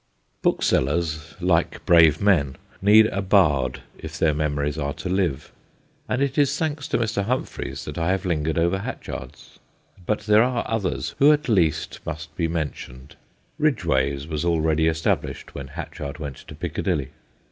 Booksellers, like brave men, need a bard if their memories are to live, and it is thanks to Mr. Humphreys that I have lingered over Hatchard's. But there are others who at least must be mentioned. Bidg way's was already established when Hatchard went to Piccadilly.